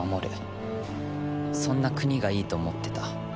そんな国がいいと思ってた。